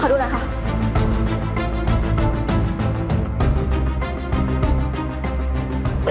ขอดูนะครับ